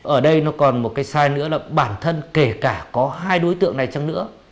ở đây nó còn một cái sai nữa là bản thân kể cả có hai đối tượng này chẳng nữa